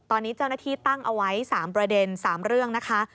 ตอนนี้เจ้าหน้าที่ตั้งเอาไว้๓ประเด็น๓เรื่องนะคะ